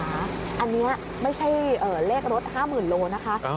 อันนี้ไม่ใช่เลขรถ๕๐๐๐โลนะคะ